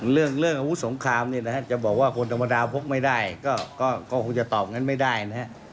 เรื่องอาวุธสงครามเนี่ยนะฮะจะบอกว่าคนธรรมดาพกไม่ได้ก็คงจะตอบงั้นไม่ได้นะฮะ